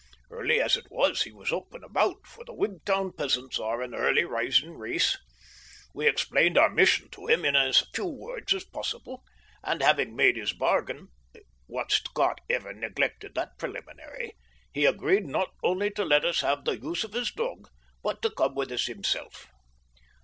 Early as it was, he was up and about, for the Wigtown peasants are an early rising race. We explained our mission to him in as few words as possible, and having made his bargain what Scot ever neglected that preliminary? he agreed not only to let us have the use of his dog but to come with us himself.